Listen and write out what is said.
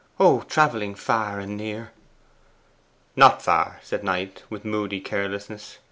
Oh, travelling far and near!' 'Not far,' said Knight, with moody carelessness.